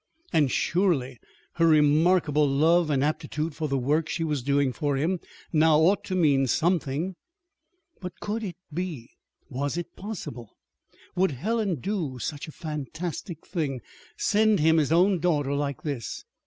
And surely her remarkable love and aptitude for the work she was doing for him now ought to mean something. But could it be? Was it possible? Would Helen do such a fantastic thing send him his own daughter like this?